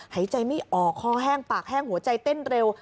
หายใจไม่ออกคอแห้งปากแห้งหัวใจเต้นเร็ว